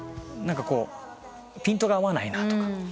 何かピントが合わないなとか。